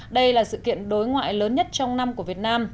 đây là sự kiện đối ngoại lớn nhất trong năm của việt nam